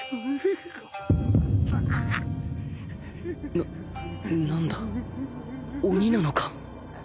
な何だ鬼なのか？